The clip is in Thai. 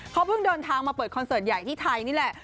เขาเพิ่งเดินทางมาเปิดคอนเสิร์ตใหญ่ที่ไทยนี่แหละ